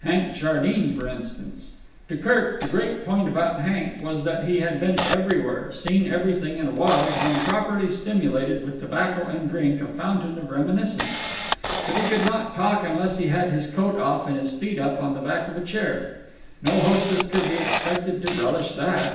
Hank Jardine, for instance. To Kirk, the great point about Hank was that he had been everywhere, seen everything, and was, when properly stimulated with tobacco and drink, a fountain of reminiscence. But he could not talk unless he had his coat off and his feet up on the back of a chair. No hostess could be expected to relish that.